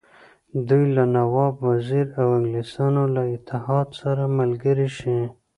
دوی له نواب وزیر او انګلیسیانو له اتحاد سره ملګري شي.